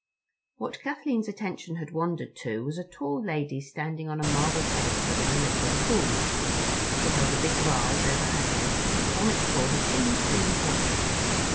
What Kathleen's attention had wandered to was a tall lady standing on a marble pedestal in the middle of a pool. She held a big vase over her head, and from it poured a thin stream of water.